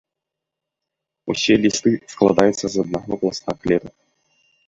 Усе лісты складаюцца з аднаго пласта клетак.